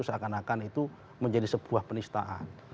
seakan akan itu menjadi sebuah penistaan